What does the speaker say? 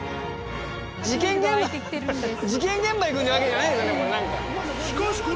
事件現場行くってわけじゃないですよねこれ。